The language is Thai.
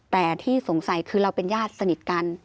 แต่ที่สงสัยคือเราเป็นญาติสนิทกัน